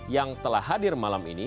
yang telah hadir malam ini